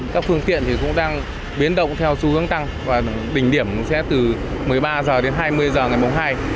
các phương tiện cũng đang biến động theo xu hướng tăng và đỉnh điểm sẽ từ một mươi ba h đến hai mươi h ngày hai